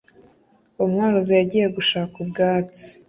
umworozi yagiye gushaka ubwatsi